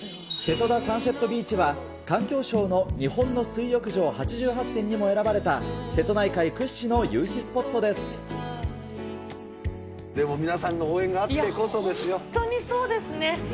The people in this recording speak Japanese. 瀬戸田サンセットビーチは、環境省の日本の水浴場８８選にも選ばれた、瀬戸内海屈指の夕日スでも皆さんの応援があってこいや、本当にそうですね。